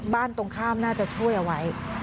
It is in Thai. ตรงข้ามน่าจะช่วยเอาไว้